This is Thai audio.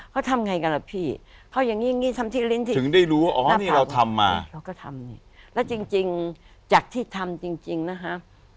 เขาทำไงกันล่ะพี่เขาอย่างนี้ทำที่ลิ้นที่ถึงได้รู้ว่าอ๋อนี่เราทำมาเขาก็ทำนี่แล้วจริงจากที่ทำจริงนะฮะ